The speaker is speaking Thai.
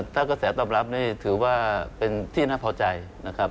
ถ้ากระแสตอบรับนี่ถือว่าเป็นที่น่าพอใจนะครับ